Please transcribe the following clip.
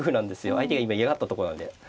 相手が今嫌がったとこなんで。